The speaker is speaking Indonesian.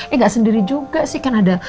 eh nggak sendiri juga sih kan ada